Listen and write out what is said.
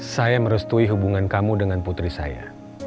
saya merestui hubungan kamu dengan putri saya